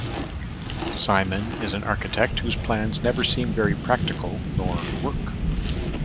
Simon is an architect whose plans never seem very practical nor work.